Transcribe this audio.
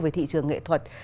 về thị trường nghệ thuật